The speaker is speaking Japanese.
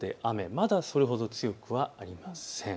まだそれほど強くはありません。